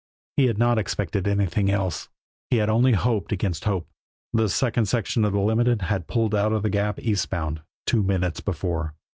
He had not expected anything else; he had only hoped against hope. The second section of the Limited had pulled out of the Gap, eastbound, two minutes before.